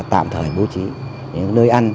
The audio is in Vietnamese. tạm thời bố trí những nơi ăn